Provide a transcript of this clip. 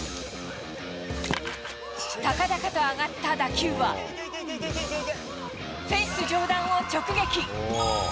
高々と上がった打球は、フェンス上段を直撃。